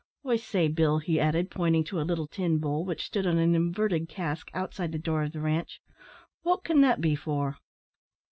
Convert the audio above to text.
"I say, Bill," he added, pointing to a little tin bowl which stood on an inverted cask outside the door of the ranche, "wot can that be for?"